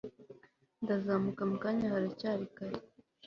Ndazamuka mukanya haracyaei kare